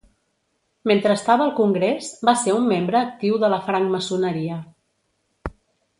Mentre estava al Congrés, va ser un membre actiu de la francmaçoneria.